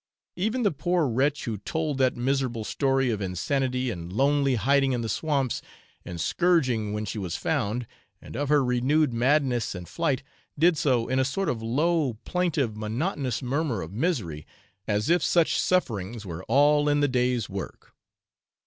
Even the poor wretch who told that miserable story of insanity and lonely hiding in the swamps and scourging when she was found, and of her renewed madness and flight, did so in a sort of low, plaintive, monotonous murmur of misery, as if such sufferings were all 'in the day's work.'